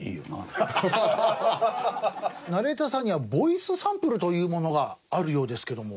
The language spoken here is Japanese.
ナレーターさんにはボイスサンプルというものがあるようですけども。